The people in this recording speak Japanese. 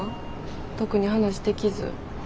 特に話できず？